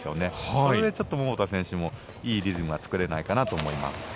それで桃田選手もいいリズムが作れないかなと思います。